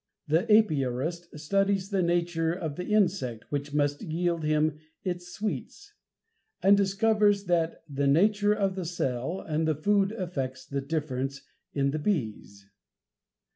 The apiarist studies the nature of the insect which must yield him its sweets, and discovers that "the nature of the cell and the food affects the difference" in the bees.